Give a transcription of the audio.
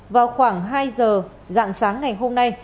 vào khoảng hai giờ dạng sáng ngày hôm nay